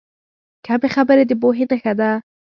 کمې خبرې، د پوهې نښه ده.